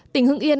tỉnh hương yên